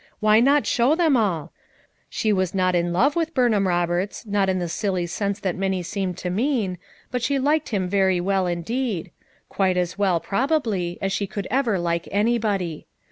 Why not show them all? She was not in love with Burnham Roberts, not in the silly sense that many seemed to mean, but she liked him very well indeed; quite as well, probably, as she could ever like anybody.